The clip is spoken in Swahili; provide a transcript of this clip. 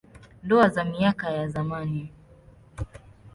Ndoa za miaka ya zamani.